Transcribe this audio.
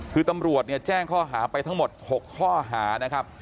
คือตำรวจเนี่ยแจ้งข้อหาไปทั้งหมด๖ข้อหานะครับ